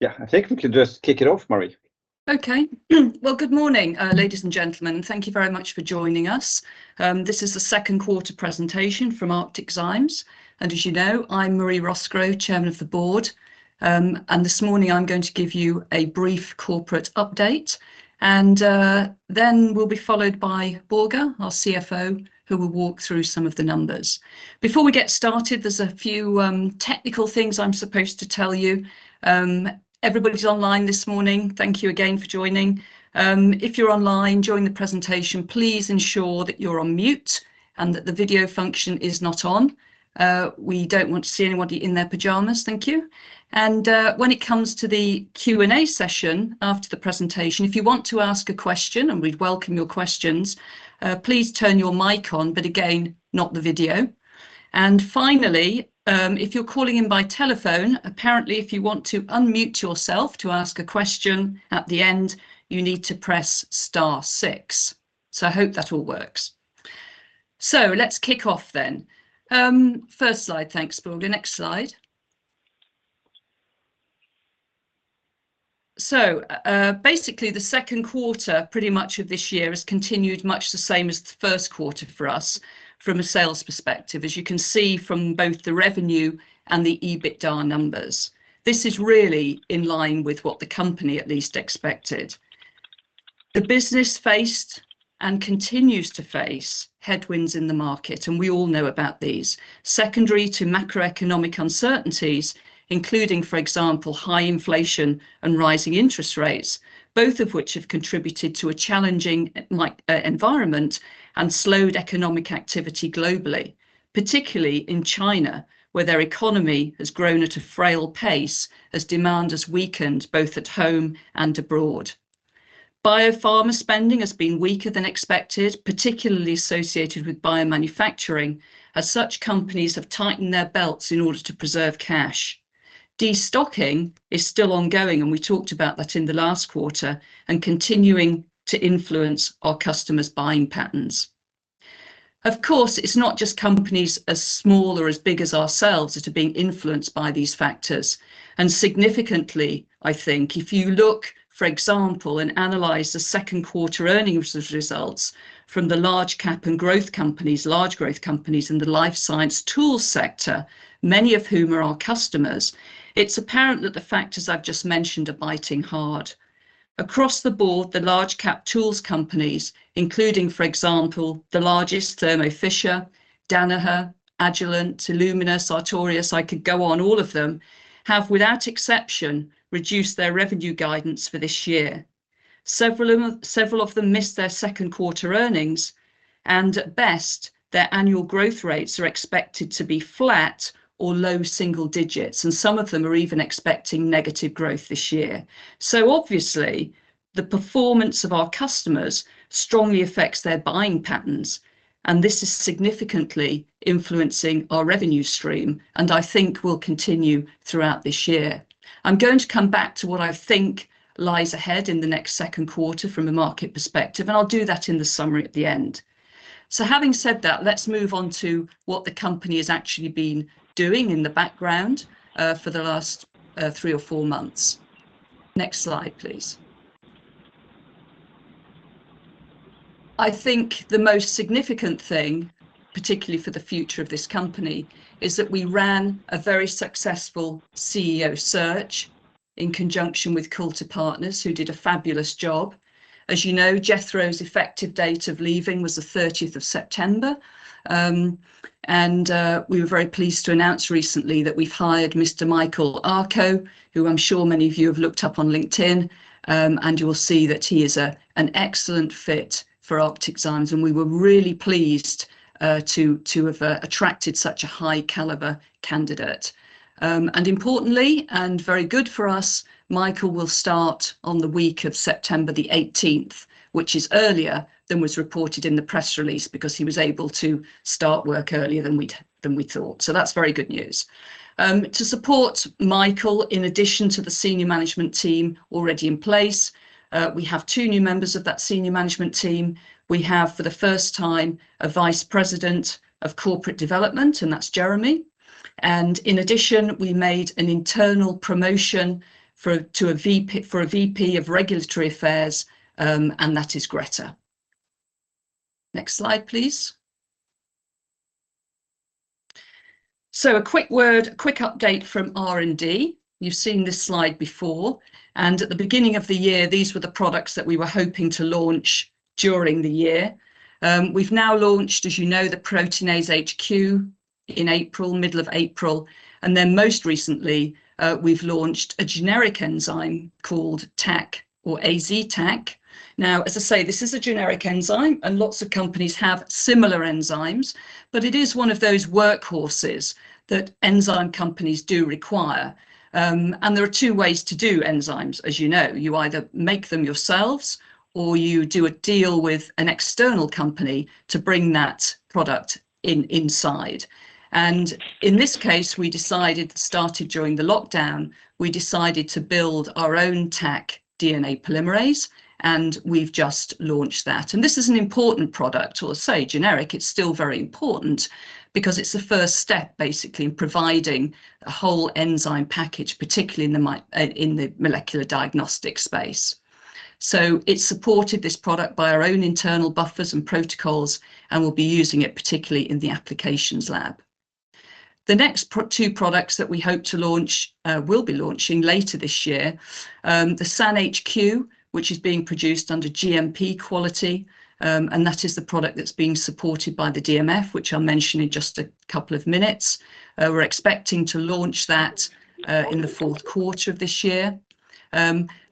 Yeah, I think we can just kick it off, Marie. Okay. Well, good morning, ladies and gentlemen. Thank you very much for joining us. This is the second quarter presentation from ArcticZymes, and as you know, I'm Marie Roskrow, Chairman of the Board. This morning, I'm going to give you a brief corporate update, and then we'll be followed by Børge, our CFO, who will walk through some of the numbers. Before we get started, there's a few technical things I'm supposed to tell you. Everybody who's online this morning, thank you again for joining. If you're online during the presentation, please ensure that you're on mute, and that the video function is not on. We don't want to see anybody in their pajamas. Thank you. When it comes to the Q&A session after the presentation, if you want to ask a question, and we'd welcome your questions, please turn your mic on, but again, not the video. Finally, if you're calling in by telephone, apparently, if you want to unmute yourself to ask a question at the end, you need to press star six. I hope that all works. Let's kick off then. First slide. Thanks, Børge. Next slide. Basically, the second quarter pretty much of this year has continued much the same as the first quarter for us from a sales perspective, as you can see from both the revenue and the EBITDA numbers. This is really in line with what the company at least expected. The business faced, and continues to face, headwinds in the market, and we all know about these. Secondary to macroeconomic uncertainties, including, for example, high inflation and rising interest rates, both of which have contributed to a challenging environment and slowed economic activity globally, particularly in China, where their economy has grown at a frail pace as demand has weakened, both at home and abroad. biopharma spending has been weaker than expected, particularly associated with biomanufacturing, as such companies have tightened their belts in order to preserve cash. Destocking is still ongoing, and we talked about that in the last quarter, and continuing to influence our customers' buying patterns. Of course, it's not just companies as small or as big as ourselves that are being influenced by these factors, and significantly, I think, if you look, for example, and analyze the second quarter earnings results from the large cap and growth companies, large growth companies in the life science tool sector, many of whom are our customers, it's apparent that the factors I've just mentioned are biting hard. Across the board, the large cap tools companies, including, for example, the largest, Thermo Fisher, Danaher, Agilent, Illumina, Sartorius, I could go on, all of them, have, without exception, reduced their revenue guidance for this year. Several of, several of them missed their second quarter earnings, and at best, their annual growth rates are expected to be flat or low single digits, and some of them are even expecting negative growth this year. obviously, the performance of our customers strongly affects their buying patterns, and this is significantly influencing our revenue stream, and I think will continue throughout this year. I'm going to come back to what I think lies ahead in the next second quarter from a market perspective, and I'll do that in the summary at the end. having said that, let's move on to what the company has actually been doing in the background for the last three or four months. Next slide, please. I think the most significant thing, particularly for the future of this company, is that we ran a very successful CEO search in conjunction with Coulter Partners, who did a fabulous job. As you know, Jethro's effective date of leaving was the 30th of September. we were very pleased to announce recently that we've hired Mr. Michael Akoh, who I'm sure many of you have looked up on LinkedIn, You will see that he is an excellent fit for ArcticZymes, and we were really pleased to have attracted such a high caliber candidate. Importantly, and very good for us, Michael will start on the week of September 18th, which is earlier than was reported in the press release, because he was able to start work earlier than we'd, than we thought. That's very good news. To support Michael, in addition to the senior management team already in place, we have two new members of that senior management team. We have, for the first time, a vice president of corporate development, and that's Jeremy. In addition, we made an internal promotion to a VP of Regulatory Affairs, and that is Grethe. Next slide, please. A quick word, a quick update from R&D. You've seen this slide before, and at the beginning of the year, these were the products that we were hoping to launch during the year. We've now launched, as you know, the Proteinase HQ in April, middle of April, and then most recently, we've launched a generic enzyme called Taq or AZTaq. As I say, this is a generic enzyme, and lots of companies have similar enzymes, but it is one of those workhorses that enzyme companies do require. There are two ways to do enzymes, as you know. You either make them yourselves, or you do a deal with an external company to bring that product inside. In this case, we decided, started during the lockdown, we decided to build our own Taq DNA polymerase, and we've just launched that. This is an important product. Although it's generic, it's still very important, because it's the first step, basically, in providing a whole enzyme package, particularly in the molecular diagnostic space. It's supported this product by our own internal buffers and protocols, and we'll be using it particularly in the applications lab. The next two products that we hope to launch, will be launching later this year, the SAN HQ, which is being produced under GMP quality, and that is the product that's being supported by the DMF, which I'll mention in just a couple of minutes. We're expecting to launch that in the fourth quarter of this year.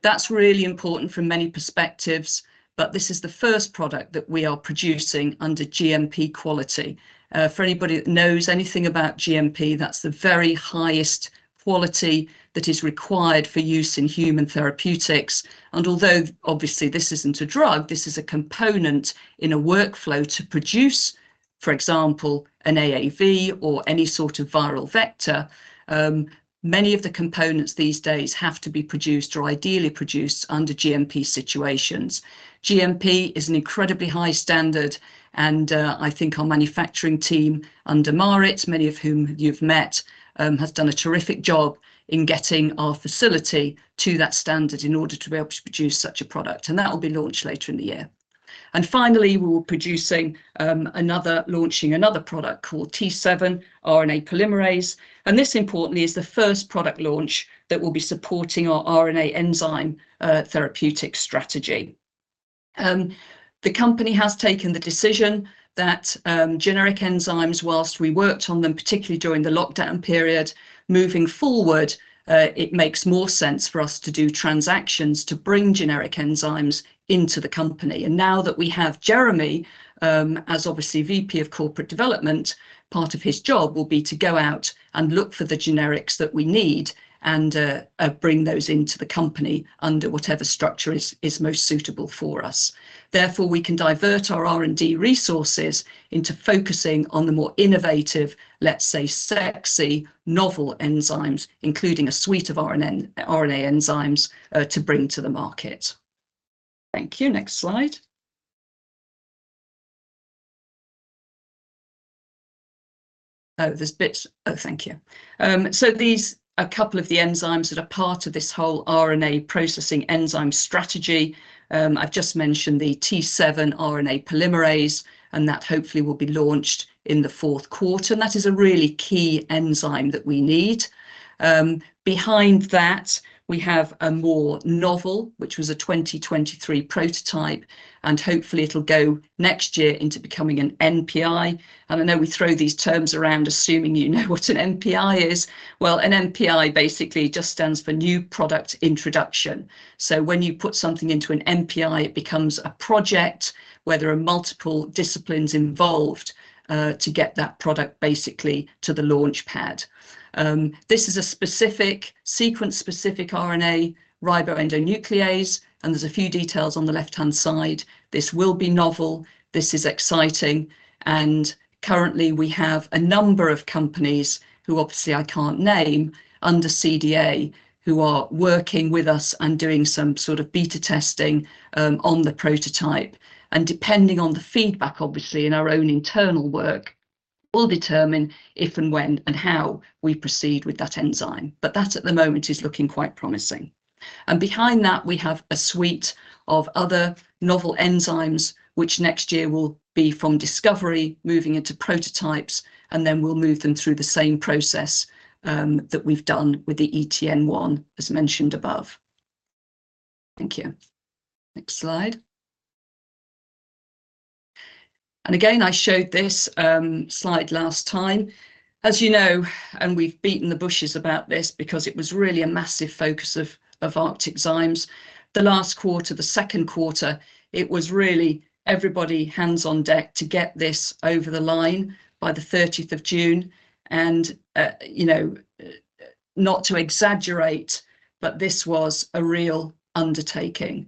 That's really important from many perspectives, but this is the first product that we are producing under GMP quality. For anybody that knows anything about GMP, that's the very highest quality that is required for use in human therapeutics, and although obviously this isn't a drug, this is a component in a workflow to produce, for example, an AAV or any sort of viral vector, many of the components these days have to be produced or ideally produced under GMP situations. GMP is an incredibly high standard, and I think our manufacturing team under Marit, many of whom you've met, has done a terrific job in getting our facility to that standard in order to be able to produce such a product, and that will be launched later in the year. Finally, we're producing, launching another product called T7 RNA Polymerase, and this importantly is the first product launch that will be supporting our RNA enzyme therapeutic strategy. The company has taken the decision that generic enzymes, whilst we worked on them, particularly during the lockdown period, moving forward, it makes more sense for us to do transactions to bring generic enzymes into the company. Now that we have Jeremy, as obviously VP of Corporate Development, part of his job will be to go out and look for the generics that we need and bring those into the company under whatever structure is most suitable for us. Therefore, we can divert our R&D resources into focusing on the more innovative, let's say, sexy, novel enzymes, including a suite of RNA, RNA enzymes to bring to the market. Thank you. Next slide. There's bits... Oh, thank you. So these are a couple of the enzymes that are part of this whole RNA processing enzyme strategy. I've just mentioned the T7 RNA Polymerase, and that hopefully will be launched in the fourth quarter, and that is a really key enzyme that we need. Behind that, we have a more novel, which was a 2023 prototype, and hopefully it'll go next year into becoming an NPI. I know we throw these terms around, assuming you know what an NPI is. Well, an NPI basically just stands for New Product Introduction. When you put something into an NPI, it becomes a project where there are multiple disciplines involved to get that product basically to the launch pad. This is a specific, sequence-specific RNA ribonuclease. There's a few details on the left-hand side. This will be novel, this is exciting. Currently we have a number of companies, who obviously I can't name, under CDA, who are working with us and doing some sort of beta testing on the prototype. Depending on the feedback, obviously, and our own internal work, we'll determine if and when and how we proceed with that enzyme. That, at the moment, is looking quite promising. Behind that, we have a suite of other novel enzymes, which next year will be from discovery, moving into prototypes, and then we'll move them through the same process that we've done with the SAN one, as mentioned above. Thank you. Next slide. Again, I showed this slide last time. As you know, we've beaten the bushes about this because it was really a massive focus of ArcticZymes, the last quarter, the second quarter, it was really everybody hands on deck to get this over the line by the 30th of June, and, you know, not to exaggerate, but this was a real undertaking.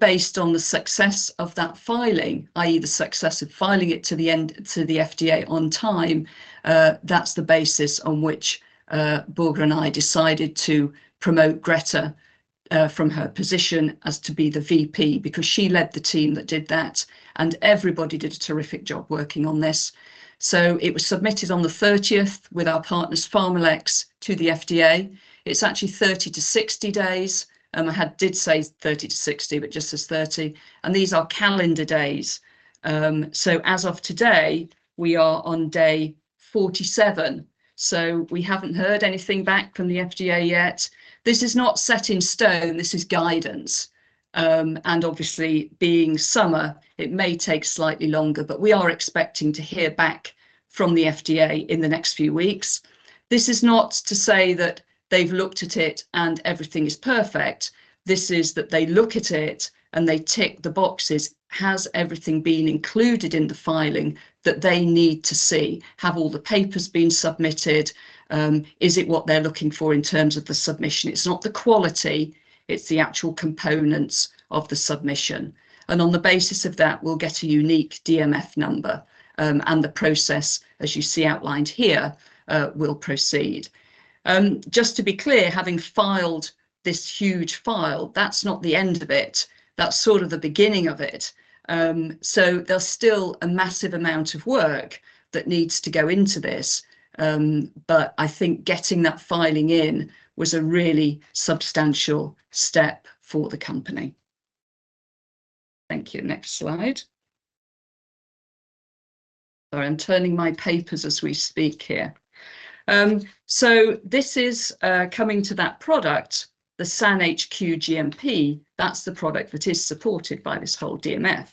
Based on the success of that filing, i.e, the success of filing it to the end- to the FDA on time, that's the basis on which Burgner and I decided to promote Grethe from her position as to be the VP, because she led the team that did that, and everybody did a terrific job working on this. So it was submitted on the 30th with our partners, PharmaLex, to the FDA. It's actually 30-60 days, I had... did say 30-60, but just says 30. These are calendar days. As of today, we are on day 47, so we haven't heard anything back from the FDA yet. This is not set in stone, this is guidance. Obviously, being summer, it may take slightly longer, but we are expecting to hear back from the FDA in the next few weeks. This is not to say that they've looked at it and everything is perfect, this is that they look at it and they tick the boxes, has everything been included in the filing that they need to see? Have all the papers been submitted? Is it what they're looking for in terms of the submission? It's not the quality, it's the actual components of the submission. On the basis of that, we'll get a unique DMF number, and the process, as you see outlined here, will proceed. Just to be clear, having filed this huge file, that's not the end of it, that's sort of the beginning of it. There's still a massive amount of work that needs to go into this, but I think getting that filing in was a really substantial step for the company. Thank you. Next slide. Sorry, I'm turning my papers as we speak here. This is coming to that product, the SAN HQ GMP, that's the product that is supported by this whole DMF.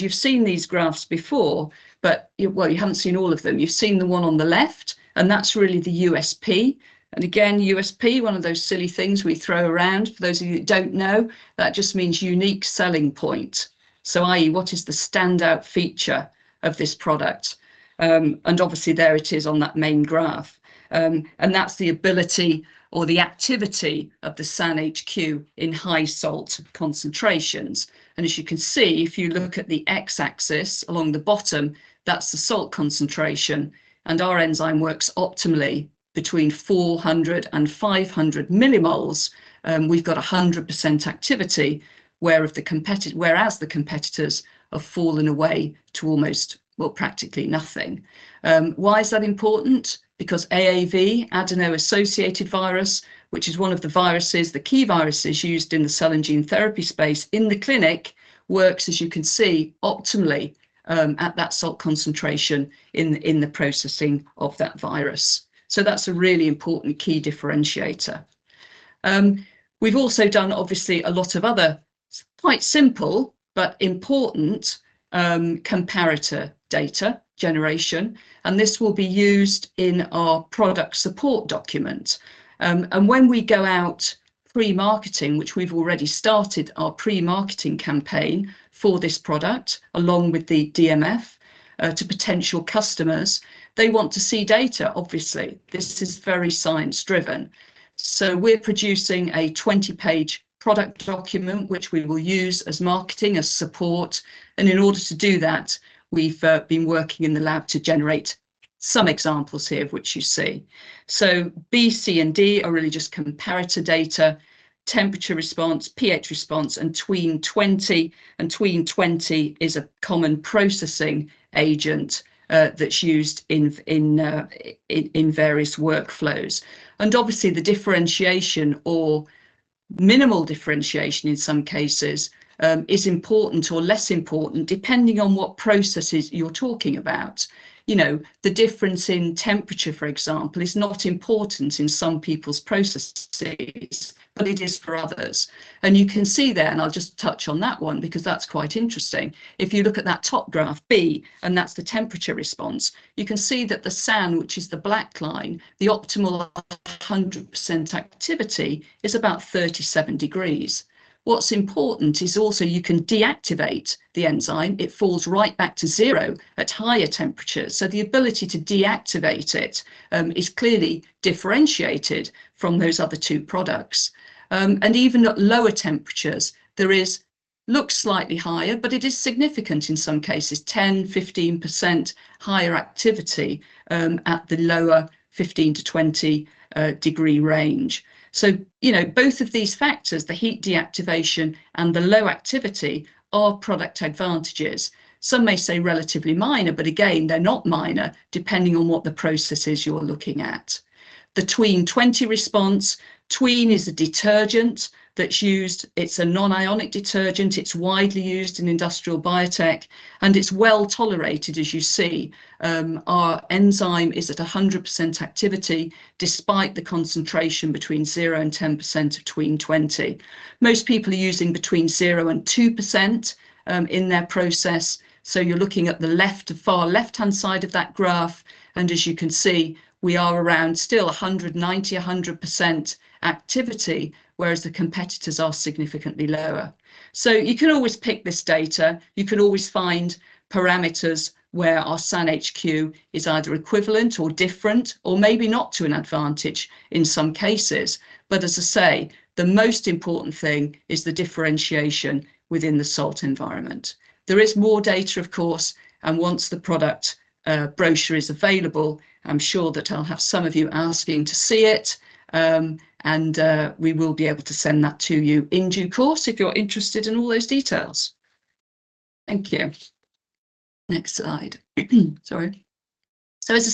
You've seen these graphs before, but well, you haven't seen all of them. You've seen the one on the left, and that's really the USP. USP, one of those silly things we throw around, for those of you who don't know, that just means unique selling point. I.e., what is the standout feature of this product? Obviously there it is on that main graph. That's the ability or the activity of the SAN HQ in high salt concentrations. As you can see, if you look at the X-axis along the bottom, that's the salt concentration, and our enzyme works optimally between 400 and 500 millimoles. We've got 100% activity, whereas the competitors have fallen away to almost, well, practically nothing. Why is that important? AAV, adeno-associated virus, which is one of the viruses, the key viruses used in the cell and gene therapy space in the clinic, works, as you can see, optimally, at that salt concentration in the processing of that virus. That's a really important key differentiator. We've also done, obviously, a lot of other quite simple but important comparator data generation, this will be used in our product support document. When we go out pre-marketing, which we've already started our pre-marketing campaign for this product, along with the DMF, to potential customers, they want to see data, obviously. This is very science-driven. We're producing a 20-page product document, which we will use as marketing, as support, and in order to do that, we've been working in the lab to generate some examples here, of which you see. B, C, and D are really just comparator data, temperature response, pH response, and Tween 20, and Tween 20 is a common processing agent that's used in various workflows. Obviously, the differentiation or minimal differentiation in some cases, is important or less important, depending on what processes you're talking about. You know, the difference in temperature, for example, is not important in some people's processes, but it is for others. You can see there, and I'll just touch on that one because that's quite interesting. If you look at that top graph B, and that's the temperature response, you can see that the SAN, which is the black line, the optimal 100% activity is about 37 degrees. What's important is also you can deactivate the enzyme. It falls right back to 0 at higher temperatures, so the ability to deactivate it is clearly differentiated from those other two products. Even at lower temperatures, looks slightly higher, but it is significant in some cases, 10-15% higher activity at the lower 15-20 degree range. You know, both of these factors, the heat deactivation and the low activity, are product advantages. Some may say relatively minor, but again, they're not minor, depending on what the processes you're looking at. The Tween 20 response, Tween is a detergent that's used, it's a non-ionic detergent. It's widely used in industrial biotech, and it's well-tolerated, as you see. Our enzyme is at 100% activity, despite the concentration between 0-10% of Tween 20. Most people are using between 0 and 2% in their process, you're looking at the left, the far left-hand side of that graph, and as you can see, we are around still 190, 100% activity, whereas the competitors are significantly lower. You can always pick this data, you can always find parameters where our SAN HQ is either equivalent or different, or maybe not to an advantage in some cases. As I say, the most important thing is the differentiation within the salt environment. There is more data, of course, and once the product brochure is available, I'm sure that I'll have some of you asking to see it, and we will be able to send that to you in due course if you're interested in all those details. Thank you. Next slide. Sorry. As I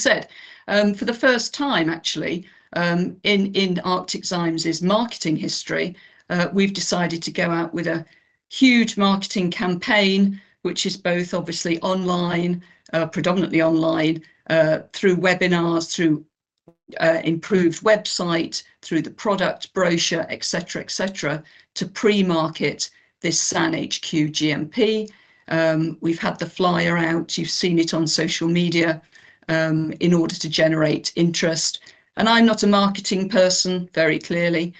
said, for the first time, actually, in ArcticZymes' marketing history, we've decided to go out with a huge marketing campaign, which is both obviously online, predominantly online, through webinars, through improved website, through the product brochure, et cetera, et cetera, to pre-market this SAN HQ GMP. We've had the flyer out, you've seen it on social media, in order to generate interest. I'm not a marketing person, very clearly,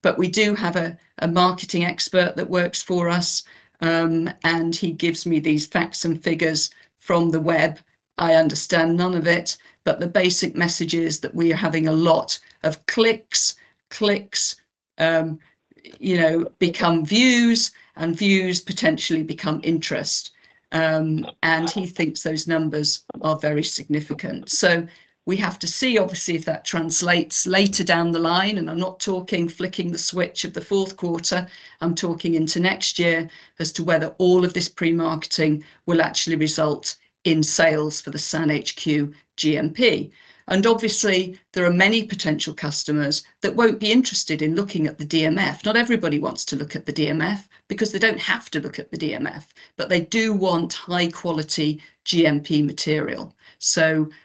but we do have a marketing expert that works for us, and he gives me these facts and figures from the web. I understand none of it, but the basic message is that we are having a lot of clicks, clicks, you know, become views, and views potentially become interest. He thinks those numbers are very significant. We have to see, obviously, if that translates later down the line, and I'm not talking flicking the switch of the fourth quarter, I'm talking into next year, as to whether all of this pre-marketing will actually result in sales for the SAN HQ GMP. Obviously, there are many potential customers that won't be interested in looking at the DMF. Not everybody wants to look at the DMF because they don't have to look at the DMF, but they do want high-quality GMP material.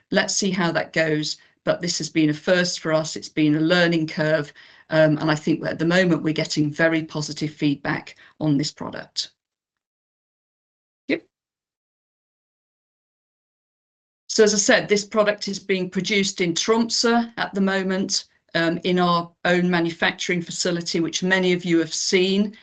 Let's see how that goes, but this has been a first for us. It's been a learning curve, and I think that at the moment, we're getting very positive feedback on this product. Yep. As I said, this product is being produced in Tromsø at the moment, in our own manufacturing facility, which many of you have seen.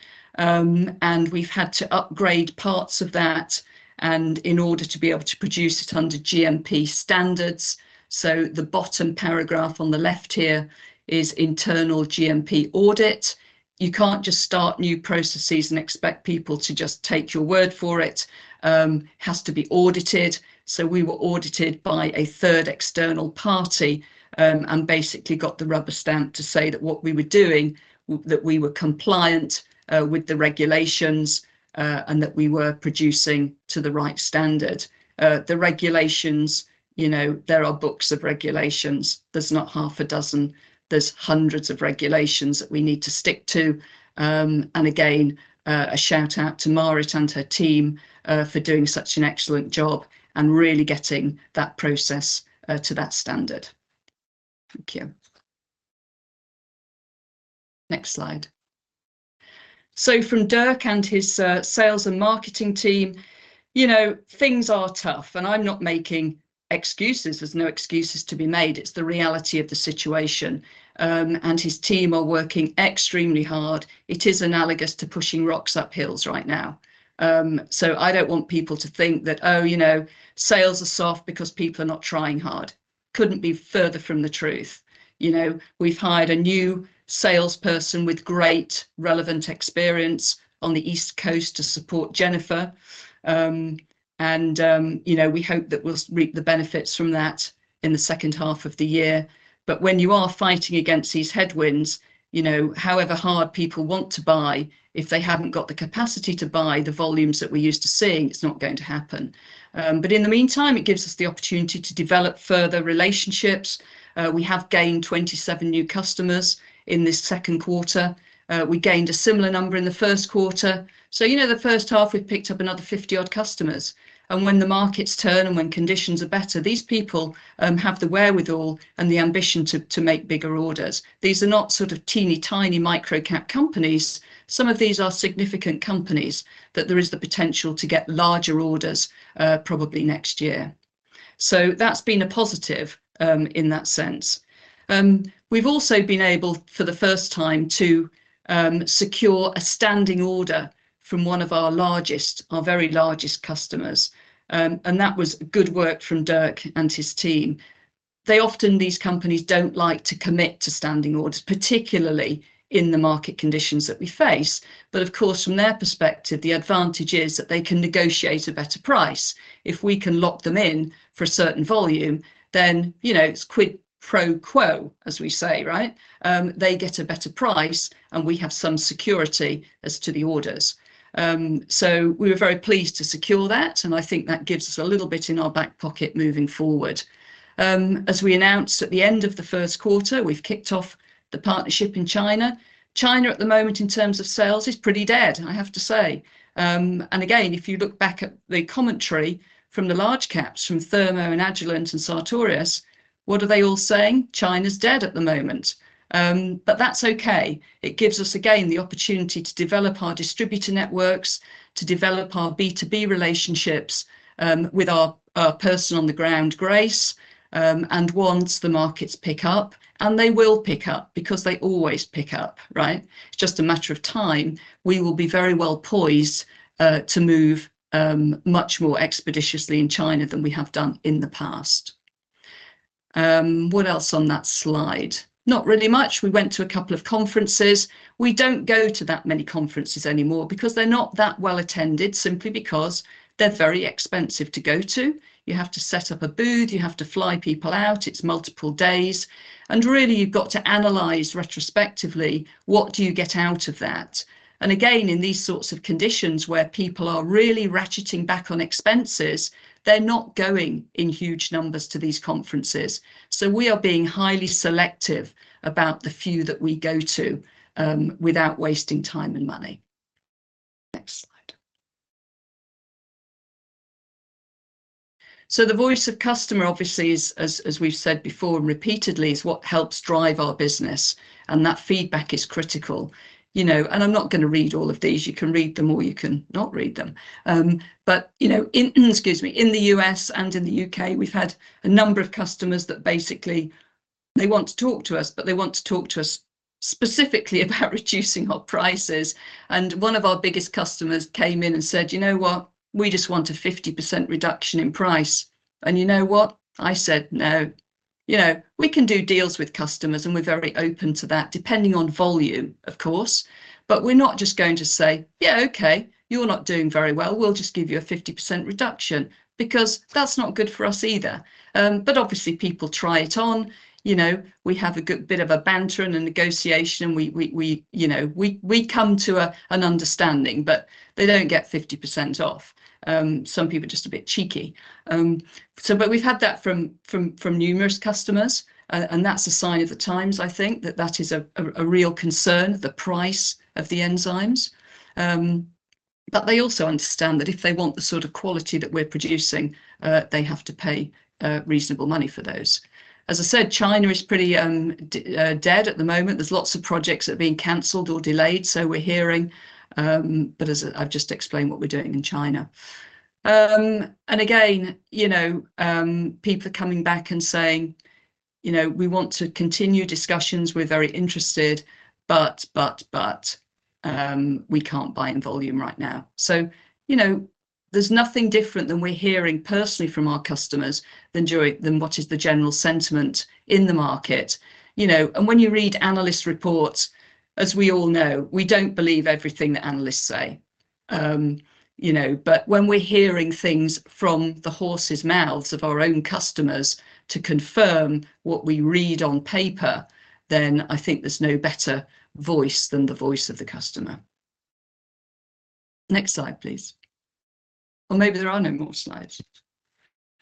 We've had to upgrade parts of that, and in order to be able to produce it under GMP standards. The bottom paragraph on the left here is internal GMP audit. You can't just start new processes and expect people to just take your word for it, has to be audited. We were audited by a third external party, and basically got the rubber stamp to say that what we were doing, that we were compliant with the regulations, and that we were producing to the right standard. The regulations, you know, there are books of regulations. There's not half a dozen, there's hundreds of regulations that we need to stick to. Again, a shout-out to Marit and her team for doing such an excellent job and really getting that process to that standard. Thank you. Next slide. From Dirk and his sales and marketing team, you know, things are tough, and I'm not making excuses. There's no excuses to be made, it's the reality of the situation. His team are working extremely hard. It is analogous to pushing rocks up hills right now. I don't want people to think that, oh, you know, sales are soft because people are not trying hard. Couldn't be further from the truth. You know, we've hired a new salesperson with great relevant experience on the East Coast to support Jennifer. You know, we hope that we'll reap the benefits from that in the second half of the year. When you are fighting against these headwinds, you know, however hard people want to buy, if they haven't got the capacity to buy the volumes that we're used to seeing, it's not going to happen. In the meantime, it gives us the opportunity to develop further relationships. We have gained 27 new customers in this second quarter. We gained a similar number in the first quarter. You know, the first half, we've picked up another 50-odd customers, and when the markets turn and when conditions are better, these people have the wherewithal and the ambition to make bigger orders. These are not sort of teeny-tiny, micro-cap companies. Some of these are significant companies that there is the potential to get larger orders, probably next year. That's been a positive in that sense. We've also been able, for the first time, to secure a standing order from one of our largest, our very largest customers, and that was good work from Dirk and his team. They often... These companies don't like to commit to standing orders, particularly in the market conditions that we face. Of course, from their perspective, the advantage is that they can negotiate a better price. If we can lock them in for a certain volume, then, you know, it's quid pro quo, as we say, right? They get a better price, we have some security as to the orders. We were very pleased to secure that, I think that gives us a little bit in our back pocket moving forward. As we announced at the end of the first quarter, we've kicked off the partnership in China. China, at the moment, in terms of sales, is pretty dead, I have to say. Again, if you look back at the commentary from the large caps, from Thermo and Agilent and Sartorius, what are they all saying? China's dead at the moment. That's okay. It gives us, again, the opportunity to develop our distributor networks, to develop our B2B relationships, with our, our person on the ground, Grace. Once the markets pick up, and they will pick up because they always pick up, right? It's just a matter of time. We will be very well poised to move much more expeditiously in China than we have done in the past. What else on that slide? Not really much. We went to a couple of conferences. We don't go to that many conferences anymore because they're not that well-attended, simply because they're very expensive to go to. You have to set up a booth, you have to fly people out, it's multiple days, and really, you've got to analyze retrospectively, what do you get out of that? Again, in these sorts of conditions where people are really ratcheting back on expenses, they're not going in huge numbers to these conferences. We are being highly selective about the few that we go to, without wasting time and money. Next slide. The voice of customer, obviously, is, as, as we've said before and repeatedly, is what helps drive our business, and that feedback is critical. You know, I'm not gonna read all of these. You can read them, or you can not read them. You know, in... Excuse me. In the U.S. and in the U.K., we've had a number of customers that basically, they want to talk to us, but they want to talk to us specifically about reducing our prices. One of our biggest customers came in and said, "You know what? We just want a 50% reduction in price." You know what? I said, "No." You know, we can do deals with customers, and we're very open to that, depending on volume, of course, but we're not just going to say, "Yeah, okay, you're not doing very well. We'll just give you a 50% reduction," because that's not good for us either. Obviously, people try it on. You know, we have a good bit of a banter and a negotiation, and we, we, we, you know, we, we come to a, an understanding, but they don't get 50% off. Some people are just a bit cheeky. We've had that from, from, from numerous customers, and that's a sign of the times, I think. That that is a, a, a real concern, the price of the enzymes. They also understand that if they want the sort of quality that we're producing, they have to pay reasonable money for those. As I said, China is pretty dead at the moment. There's lots of projects that are being canceled or delayed, so we're hearing, but as I've just explained, what we're doing in China. Again, you know, people are coming back and saying, "You know, we want to continue discussions, we're very interested, but, but, but, we can't buy in volume right now." You know, there's nothing different than we're hearing personally from our customers than what is the general sentiment in the market. You know, when you read analyst reports, as we all know, we don't believe everything that analysts say. You know, when we're hearing things from the horse's mouths of our own customers to confirm what we read on paper, then I think there's no better voice than the voice of the customer. Next slide, please. Maybe there are no more slides.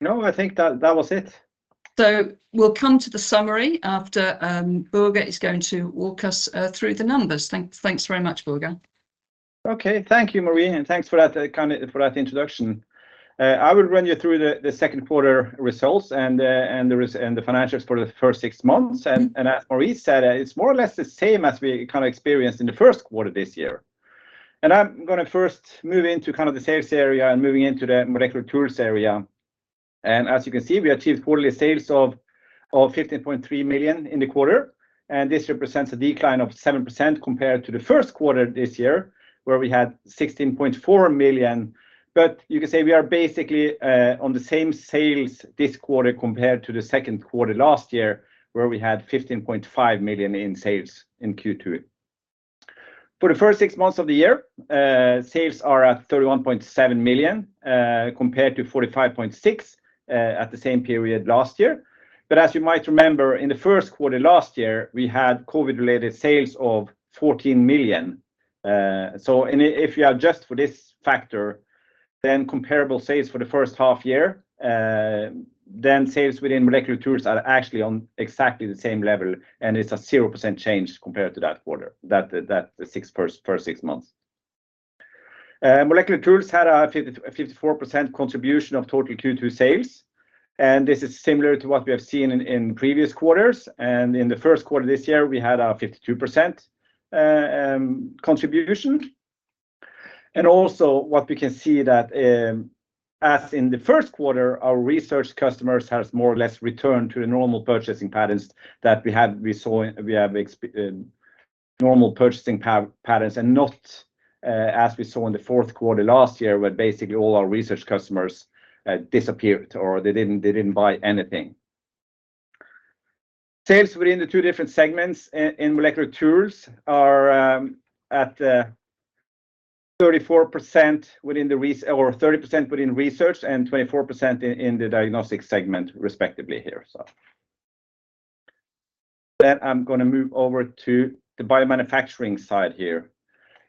No, I think that, that was it. We'll come to the summary after, Børge is going to walk us through the numbers. Thanks very much, Børge. Okay. Thank you, Marie, and thanks for that kind for that introduction. I will run you through the second quarter results and the financials for the first six months. As Marie said, it's more or less the same as we kind of experienced in the first quarter this year. I'm gonna first move into kind of the sales area and moving into the molecular tools area. As you can see, we achieved quarterly sales of 15.3 million in the quarter, and this represents a decline of 7% compared to the first quarter this year, where we had 16.4 million. You can say we are basically on the same sales this quarter compared to the second quarter last year, where we had 15.5 million in sales in Q2. For the first six months of the year, sales are at 31.7 million, compared to 45.6 at the same period last year. As you might remember, in the first quarter last year, we had COVID-related sales of 14 million. If you adjust for this factor, then comparable sales for the first half year, then sales within molecular tools are actually on exactly the same level, and it's a 0% change compared to that quarter, that first six months. Molecular tools had a 54% contribution of total Q2 sales, and this is similar to what we have seen in previous quarters, and in the first quarter this year, we had a 52% contribution. Also what we can see that, as in the first quarter, our research customers has more or less returned to the normal purchasing patterns that we had- we saw, we have normal purchasing patterns and not, as we saw in the fourth quarter last year, where basically all our research customers disappeared or they didn't, they didn't buy anything. Sales within the two different segments in molecular tools are at 34% within the research or 30% within research and 24% in, in the diagnostic segment, respectively here. I'm gonna move over to the biomanufacturing side here.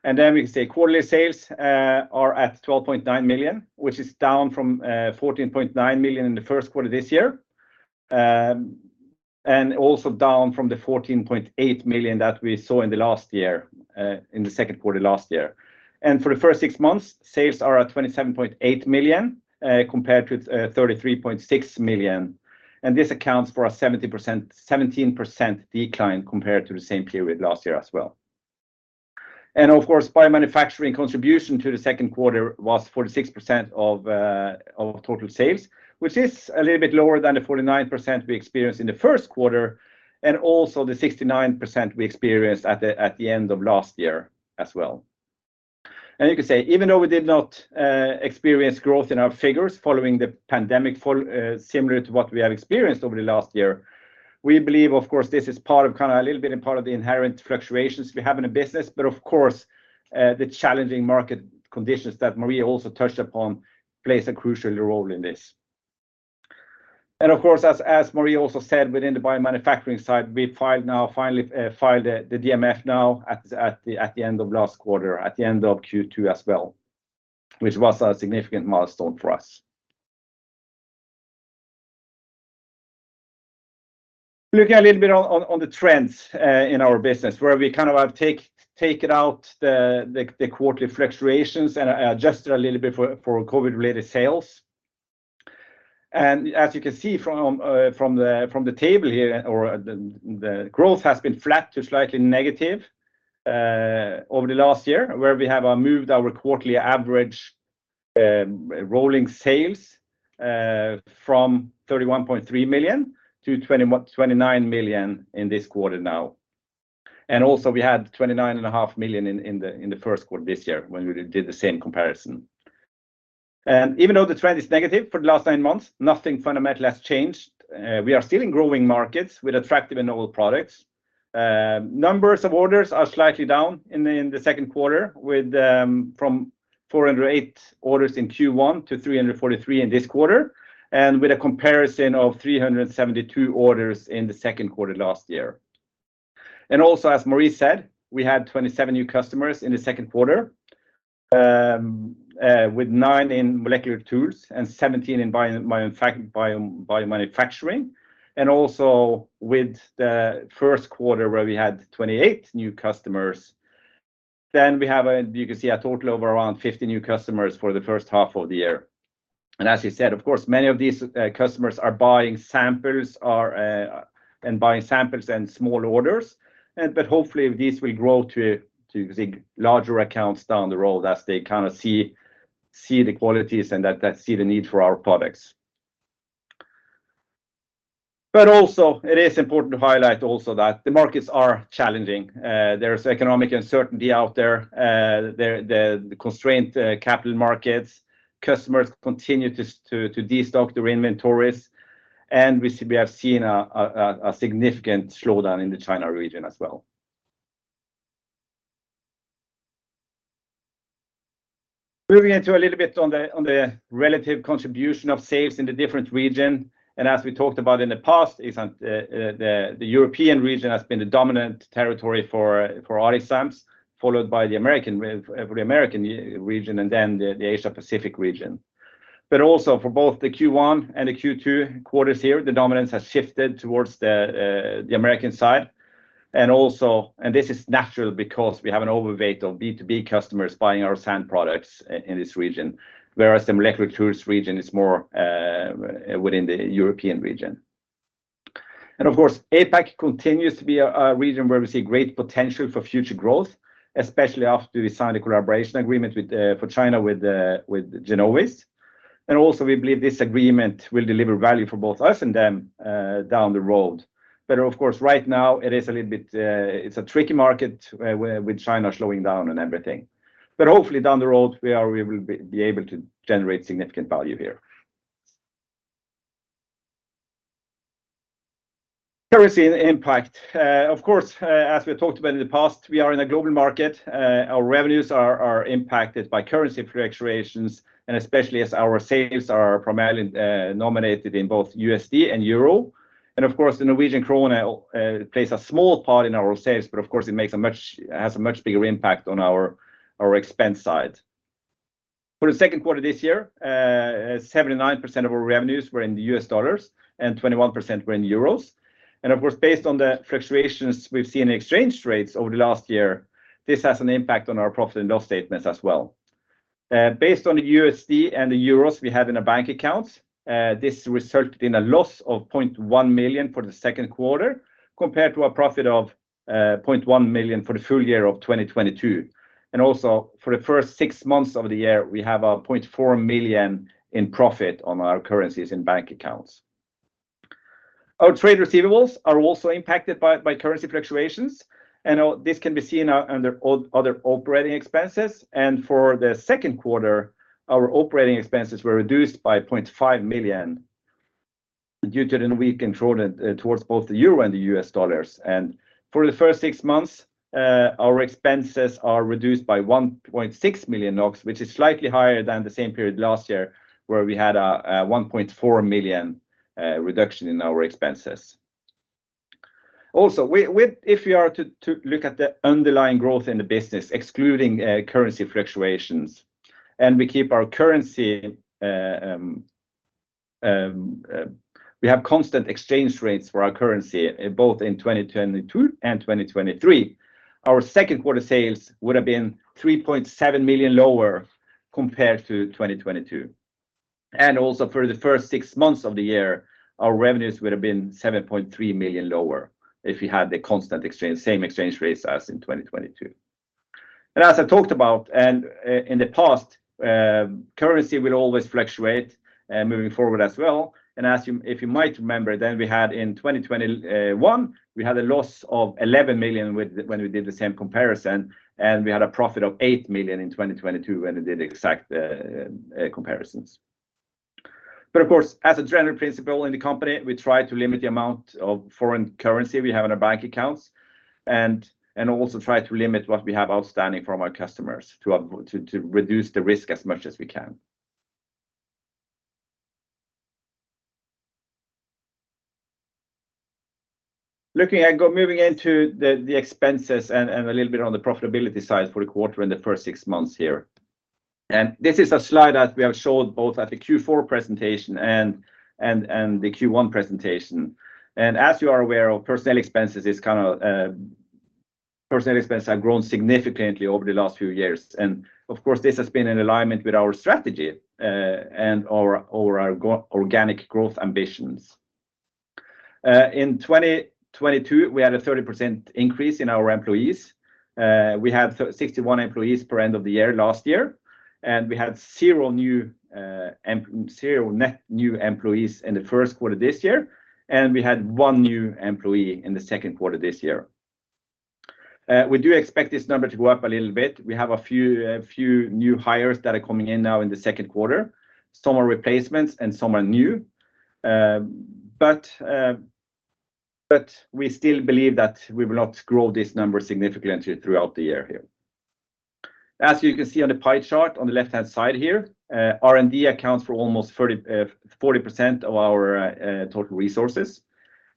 We can say quarterly sales are at 12.9 million, which is down from 14.9 million in the first quarter this year. Also down from the $14.8 million that we saw in the last year, in the second quarter last year. For the first six months, sales are at $27.8 million, compared to $33.6 million, and this accounts for a 17% decline compared to the same period last year as well. Of course, biomanufacturing contribution to the second quarter was 46% of total sales, which is a little bit lower than the 49% we experienced in the first quarter, and also the 69% we experienced at the end of last year as well. You can say, even though we did not experience growth in our figures following the pandemic follow, similar to what we have experienced over the last year, we believe, of course, this is part of, kind of, a little bit and part of the inherent fluctuations we have in the business, but of course, the challenging market conditions that Marie also touched upon plays a crucial role in this. Of course, as, as Marie also said, within the biomanufacturing side, we filed now- finally, filed the DMF now at the end of last quarter, at the end of Q2 as well, which was a significant milestone for us. Look a little bit on, on, on the trends in our business, where we kind of have taken out the quarterly fluctuations and adjusted a little bit for COVID-related sales. As you can see from the table here, or the growth has been flat to slightly negative over the last year, where we have moved our quarterly average rolling sales from 31.3 million to 29 million in this quarter now. Also, we had 29.5 million in the first quarter this year when we did the same comparison. Even though the trend is negative for the last nine months, nothing fundamental has changed. We are still in growing markets with attractive and novel products. Numbers of orders are slightly down in the second quarter, with from 408 orders in Q1 to 343 in this quarter, and with a comparison of 372 orders in the second quarter last year. Also, as Marie said, we had 27 new customers in the second quarter, with nine in molecular tools and 17 in biomanufacturing, and also with the first quarter, where we had 28 new customers. We have, you can see, a total of around 50 new customers for the first half of the year. As you said, of course, many of these customers are buying samples or and buying samples and small orders. Hopefully these will grow to the larger accounts down the road as they kind of see the qualities and that see the need for our products. Also it is important to highlight also that the markets are challenging. There's economic uncertainty out there, the constraint capital markets, customers continue to destock their inventories, and we have seen a significant slowdown in the China region as well. Moving into a little bit on the relative contribution of sales in the different region, and as we talked about in the past, isn't, the European region has been the dominant territory for Orexams, followed by the American region, and then the Asia Pacific region. Also for both the Q1 and the Q2 quarters here, the dominance has shifted towards the, the American side. Also, this is natural because we have an overweight of B2B customers buying our SAN products in this region, whereas the molecular diagnostics region is more, within the European region. Of course, APAC continues to be a, a region where we see great potential for future growth, especially after we signed a collaboration agreement with, for China, with, with Genovis. Also, we believe this agreement will deliver value for both us and them, down the road. Of course, right now it is a little bit, it's a tricky market where with China slowing down and everything, but hopefully down the road, we are, we will be able to generate significant value here. Currency impact. Of course, as we talked about in the past, we are in a global market. Our revenues are impacted by currency fluctuations, especially as our sales are primarily nominated in both USD and euro. Of course, the Norwegian kroner plays a small part in our sales, but of course, it makes a much, has a much bigger impact on our expense side. For the second quarter this year, 79% of our revenues were in the U.S. dollars, and 21% were in euros. Of course, based on the fluctuations we've seen in exchange rates over the last year, this has an impact on our profit and loss statements as well. Based on the USD and the EUR we have in our bank accounts, this resulted in a loss of 0.1 million for the second quarter, compared to a profit of 0.1 million for the full year of 2022. Also for the first six months of the year, we have a 0.4 million in profit on our currencies in bank accounts. Our trade receivables are also impacted by currency fluctuations, and this can be seen now under other operating expenses. For the second quarter, our operating expenses were reduced by 0.5 million due to the weak control towards both the EUR and the U.S. dollars. For the first six months, our expenses are reduced by 1.6 million NOK, which is slightly higher than the same period last year, where we had a 1.4 million reduction in our expenses. Also, we, we if you are to, to look at the underlying growth in the business, excluding currency fluctuations, and we keep our currency, we have constant exchange rates for our currency, both in 2022 and 2023. Our second quarter sales would have been 3.7 million lower compared to 2022. Also for the first six months of the year, our revenues would have been 7.3 million lower if we had the constant exchange, same exchange rates as in 2022. As I talked about, and in the past, currency will always fluctuate, moving forward as well. As you if you might remember, then we had in 2021, we had a loss of 11 million when we did the same comparison, and we had a profit of 8 million in 2022, when we did the exact comparisons. Of course, as a general principle in the company, we try to limit the amount of foreign currency we have in our bank accounts and, and also try to limit what we have outstanding from our customers to, to reduce the risk as much as we can. Looking at moving into the, the expenses and, and a little bit on the profitability side for the quarter in the first 6 months here. This is a slide that we have showed both at the Q4 presentation and the Q1 presentation. As you are aware of, personnel expenses is kind of, personnel expenses have grown significantly over the last few years. Of course, this has been in alignment with our strategy and our organic growth ambitions. In 2022, we had a 30% increase in our employees. We had 61 employees per end of the year last year, and we had 0 new, 0 net new employees in the first quarter this year, and we had 1 new employee in the second quarter this year. We do expect this number to go up a little bit. We have a few new hires that are coming in now in the second quarter. Some are replacements and some are new. We still believe that we will not grow this number significantly throughout the year here. As you can see on the pie chart on the left-hand side here, R&D accounts for almost 30%-40% of our total resources.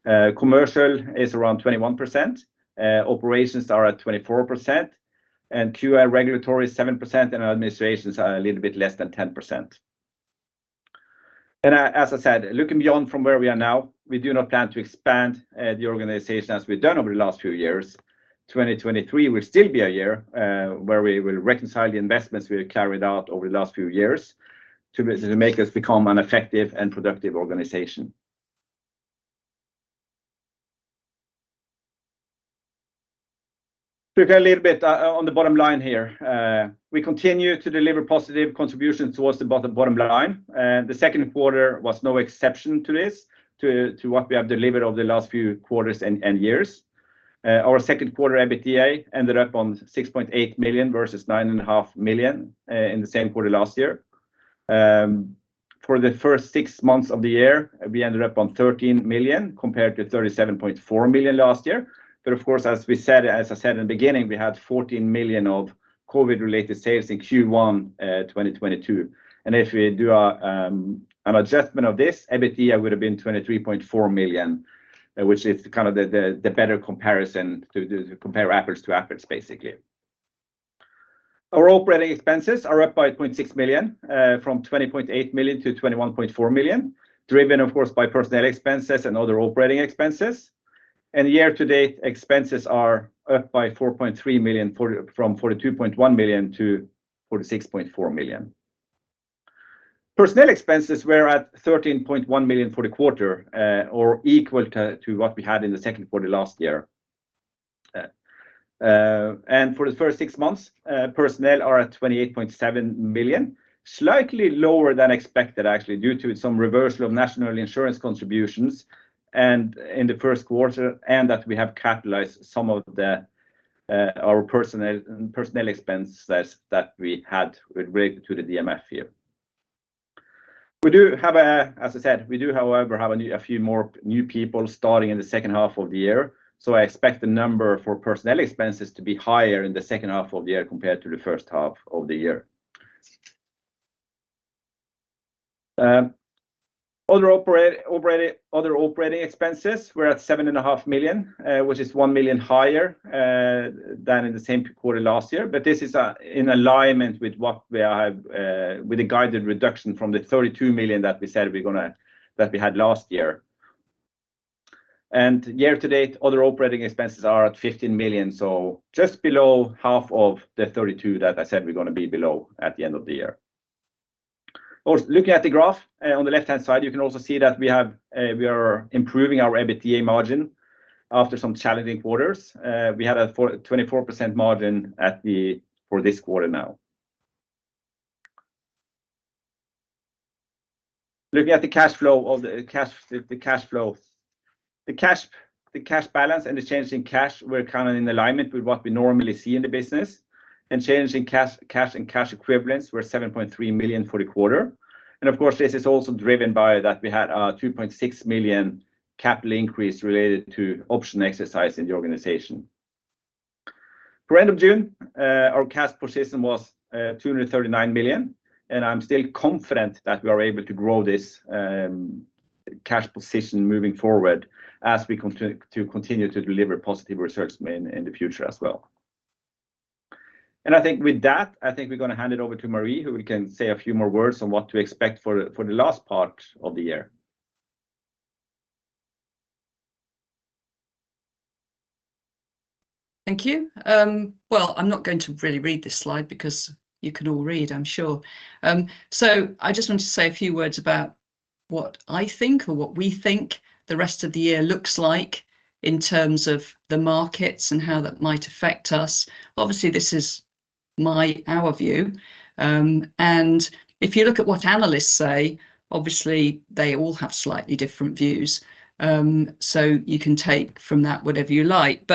Commercial is around 21%, operations are at 24%, and QA/Regulatory, 7%, and our administrations are a little bit less than 10%. As I said, looking beyond from where we are now, we do not plan to expand the organization as we've done over the last few years. 2023 will still be a year where we will reconcile the investments we have carried out over the last few years to, to make us become an effective and productive organization. Talk a little bit on the bottom line here. We continue to deliver positive contributions towards the bottom, bottom line, and the second quarter was no exception to this, to, to what we have delivered over the last few quarters and, and years. Our second quarter EBITDA ended up on 6.8 million versus 9.5 million in the same quarter last year. For the first six months of the year, we ended up on 13 million, compared to 37.4 million last year. Of course, as I said in the beginning, we had 14 million of COVID-related sales in Q1, 2022, and if we do an adjustment of this, EBITDA would have been 23.4 million, which is kind of the, the, the better comparison to, to, to compare apples to apples, basically. Our operating expenses are up by 0.6 million, from 20.8 million to 21.4 million, driven of course, by personnel expenses and other operating expenses. Year-to-date expenses are up by 4.3 million from 42.1 million to 46.4 million. Personnel expenses were at 13.1 million for the quarter, or equal to what we had in the second quarter last year. For the first six months, personnel are at 28.7 million, slightly lower than expected, actually, due to some reversal of national insurance contributions in the first quarter, and that we have capitalized some of the our personnel expenses that we had related to the DMF year. We do have a, as I said, we do, however, have a few more new people starting in the second half of the year, so I expect the number for personnel expenses to be higher in the second half of the year compared to the first half of the year. Other operating expenses were at 7.5 million, which is 1 million higher than in the same quarter last year, but this is in alignment with what we have with the guided reduction from the 32 million that we said we had last year. Year to date, other operating expenses are at 15 million, so just below half of the 32 million that I said we're gonna be below at the end of the year. Looking at the graph on the left-hand side, you can also see that we are improving our EBITDA margin after some challenging quarters. We had a 24% margin for this quarter now. Looking at the cash flow, the cash balance and the change in cash were kind of in alignment with what we normally see in the business, and change in cash, cash and cash equivalents were 7.3 million for the quarter. Of course, this is also driven by that we had a 2.6 million capital increase related to option exercise in the organization. For end of June, our cash position was, 239 million, I'm still confident that we are able to grow this, cash position moving forward as we continue to deliver positive results in the future as well. I think with that, I think we're gonna hand it over to Marie, who can say a few more words on what to expect for the, for the last part of the year. Thank you. Well, I'm not going to really read this slide because you can all read, I'm sure. I just want to say a few words about what I think or what we think the rest of the year looks like in terms of the markets and how that might affect us. Obviously, this is my... our view. If you look at what analysts say, obviously they all have slightly different views. You can take from that whatever you like.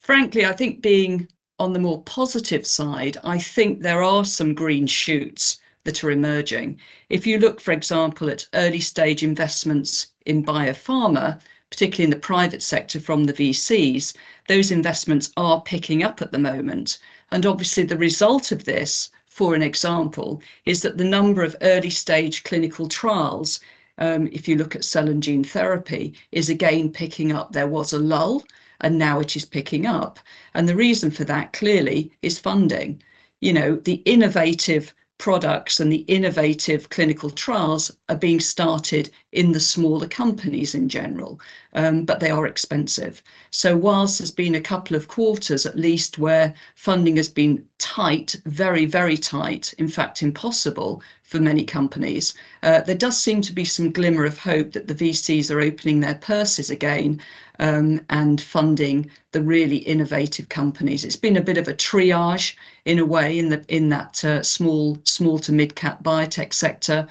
Frankly, I think being on the more positive side, I think there are some green shoots that are emerging. If you look, for example, at early-stage investments in biopharma, particularly in the private sector from the VCs, those investments are picking up at the moment. Obviously, the result of this, for an example, is that the number of early-stage clinical trials, if you look at cell and gene therapy, is again picking up. There was a lull, and now it is picking up. The reason for that, clearly, is funding. You know, the innovative products and the innovative clinical trials are being started in the smaller companies in general, but they are expensive. Whilst there's been a couple of quarters at least, where funding has been tight, very, very tight, in fact, impossible for many companies, there does seem to be some glimmer of hope that the VCs are opening their purses again, and funding the really innovative companies. It's been a bit of a triage in a way, in that small to midcap biotech sector,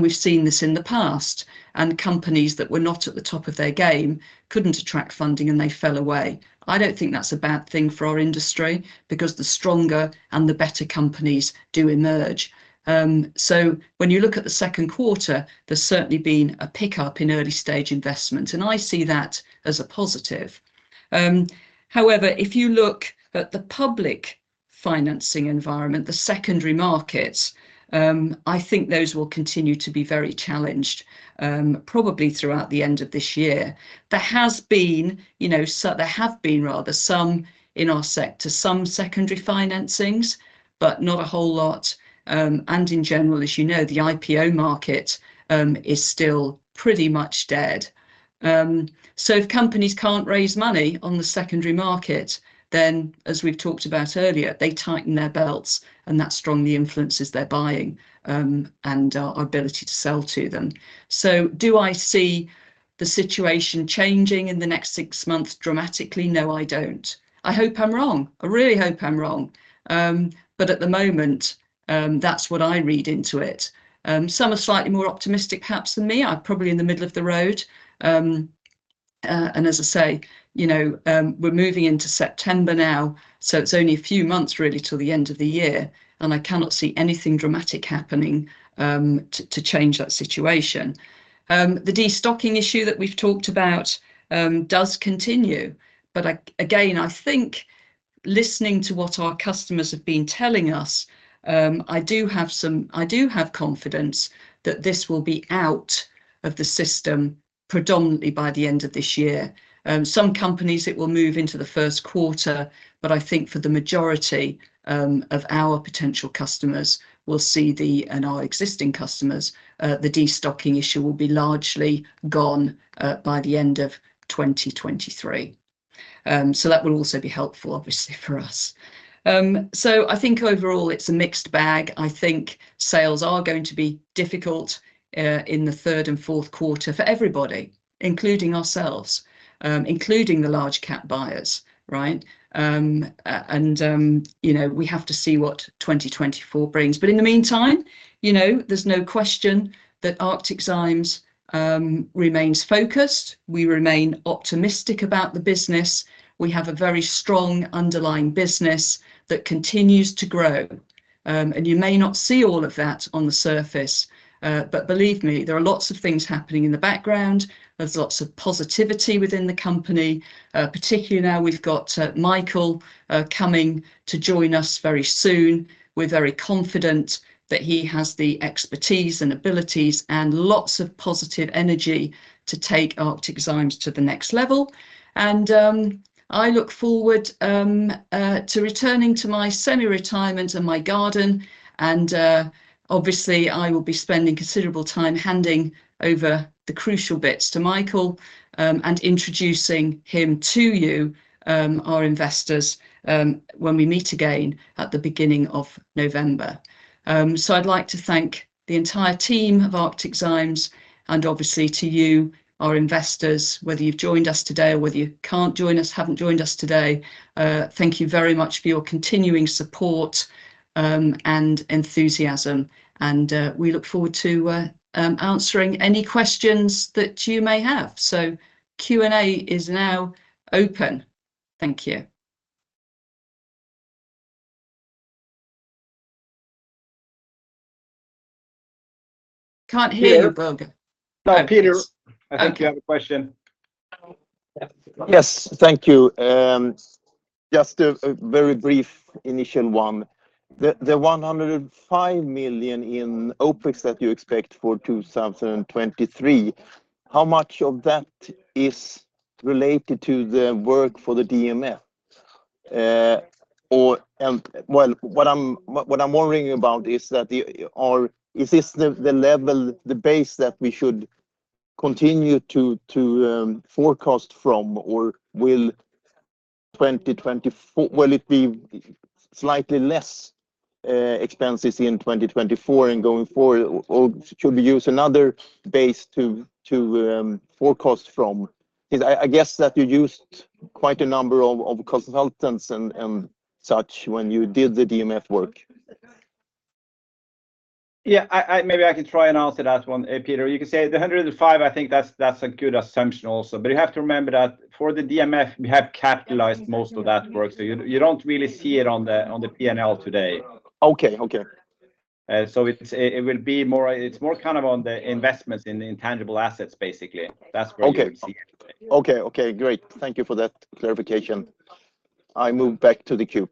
We've seen this in the past. Companies that were not at the top of their game couldn't attract funding, and they fell away. I don't think that's a bad thing for our industry because the stronger and the better companies do emerge. When you look at the second quarter, there's certainly been a pickup in early-stage investment, and I see that as a positive. However, if you look at the public financing environment, the secondary markets, I think those will continue to be very challenged, probably throughout the end of this year. There has been, you know, so there have been, rather, some in our sector, some secondary financings, but not a whole lot. In general, as you know, the IPO market is still pretty much dead. If companies can't raise money on the secondary market, then as we've talked about earlier, they tighten their belts, and that strongly influences their buying, and our, our ability to sell to them. Do I see the situation changing in the next six months dramatically? No, I don't. I hope I'm wrong. I really hope I'm wrong. At the moment, that's what I read into it. Some are slightly more optimistic perhaps than me. I'm probably in the middle of the road. As I say, you know, we're moving into September now, so it's only a few months really till the end of the year, and I cannot see anything dramatic happening to, to change that situation. The de-stocking issue that we've talked about, does continue, but I, again, I think listening to what our customers have been telling us, I do have confidence that this will be out of the system predominantly by the end of this year. Some companies, it will move into the first quarter, but I think for the majority, of our potential customers, we'll see the... and our existing customers, the de-stocking issue will be largely gone, by the end of 2023. That will also be helpful, obviously, for us. I think overall it's a mixed bag. I think sales are going to be difficult, in the third and fourth quarter for everybody, including ourselves, including the large cap buyers, right? You know, we have to see what 2024 brings. In the meantime, you know, there's no question that ArcticZymes remains focused. We remain optimistic about the business. We have a very strong underlying business that continues to grow. You may not see all of that on the surface, but believe me, there are lots of things happening in the background. There's lots of positivity within the company, particularly now we've got Michael coming to join us very soon. We're very confident that he has the expertise and abilities and lots of positive energy to take ArcticZymes to the next level. I look forward to returning to my semi-retirement and my garden. Obviously, I will be spending considerable time handing over the crucial bits to Michael and introducing him to you, our investors, when we meet again at the beginning of November. I'd like to thank the entire team of ArcticZymes Technologies and obviously to you, our investors, whether you've joined us today or whether you can't join us, haven't joined us today. Thank you very much for your continuing support and enthusiasm. We look forward to answering any questions that you may have. Q&A is now open. Thank you. Can't hear you, Børge. Hi, Peter. Thank you. I think you have a question. Yes, thank you. Just a very brief initial one. The 105 million in OpEx that you expect for 2023, how much of that is related to the work for the DMF? What I'm worrying about is that, or is this the level, the base that we should continue to forecast from? Will 2024 will it be slightly less expenses in 2024 and going forward, or should we use another base to forecast from? 'Cause I guess that you used quite a number of consultants and such when you did the DMF work. Yeah, I, I maybe I can try and answer that one, Peter. You can say the 105, I think that's, that's a good assumption also. You have to remember that for the DMF, we have capitalized most of that work, so you, you don't really see it on the, on the P&L today. Okay. Okay. It's, it will be more, it's more kind of on the investments in the intangible assets, basically. That's where you would see it. Okay. Okay, okay, great. Thank you for that clarification. I move back to the queue.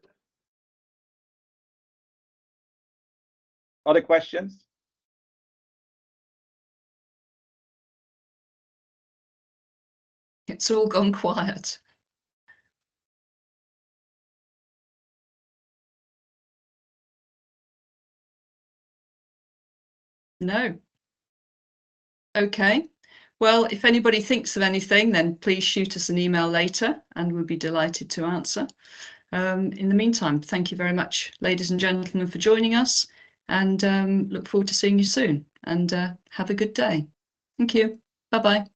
Other questions? It's all gone quiet. No. Okay. If anybody thinks of anything, then please shoot us an email later, and we'll be delighted to answer. In the meantime, thank you very much, ladies and gentlemen, for joining us, and look forward to seeing you soon. Have a good day. Thank you. Bye-bye.